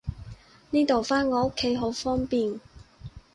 呢度返我屋企好方便